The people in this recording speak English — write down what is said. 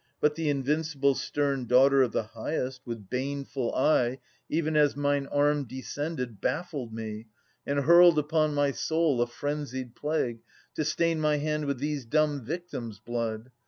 But the invincible Stern daughter of the Highest, with baneful eye, Even as mine arm descended, baffled me, And hurled upon my soul a frenzied plague, To stain my hand with these dumb victims' blood.